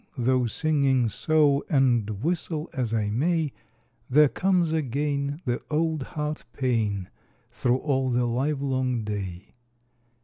though singing so, And whistle as I may, There comes again the old heart pain Through all the livelong day.